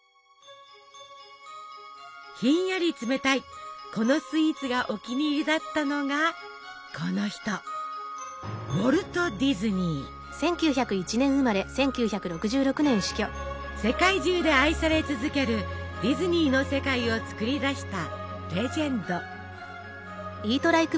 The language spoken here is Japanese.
ひんやり冷たいこのスイーツがお気に入りだったのがこの人世界中で愛され続けるディズニーの世界を作り出したレジェンド。